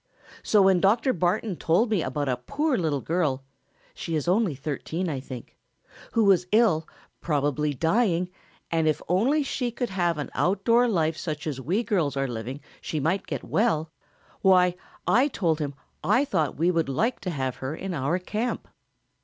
So when Dr. Barton told me about a poor little girl (she is only thirteen, I think) who was ill, probably dying, and if only she could have an outdoor life such as we girls are living she might get well, why, I told him I thought we would like to have her in our camp."